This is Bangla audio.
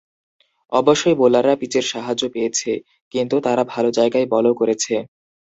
অবশ্যই বোলাররা পিচের সাহায্য পেয়েছে, কিন্তু তারা ভালো জায়গায় বলও করেছে।